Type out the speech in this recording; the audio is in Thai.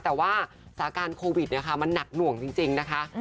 แต่ว่าสาการโควิดมันหนักหน่วงจริงนะคะ